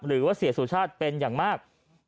หรือว่าเสียสุชาติเป็นอย่างมาก